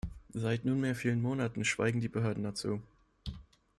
Seit nunmehr vielen Monaten schweigen die Behörden dazu.